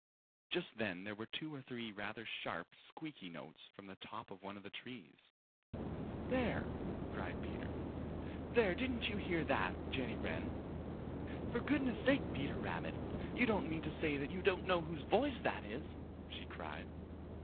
Just then there were two or three rather sharp, squeaky notes from the top of one of the trees. "There!" cried Peter. "There! Didn't you hear that, Jenny Wren?" "For goodness' sake, Peter Rabbit, you don't mean to say you don't know whose voice that is," she cried.